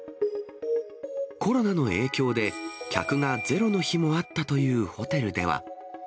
コロナの影響で客がゼロの日もあったというホテルでは。